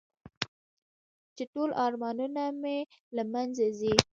چې ټول ارمانونه مې له منځه ځي .